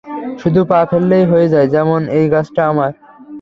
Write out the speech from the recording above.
শুধু পা ফেললেই হয়ে যায়, যেমন, এই গাছটা আমার।